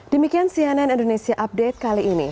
demikian cnn indonesia update kali ini